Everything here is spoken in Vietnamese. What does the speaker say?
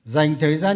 dành thời gian